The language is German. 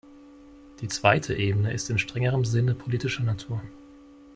Die zweite Ebene ist in strengerem Sinne politischer Natur.